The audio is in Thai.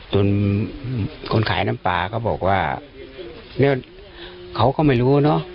จุดต้นคนขายน้ำปลาก็บอกว่าเขาก็ไม่รู้เนอะ